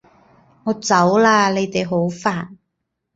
我走喇！你哋好煩